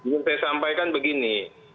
yang saya sampaikan begini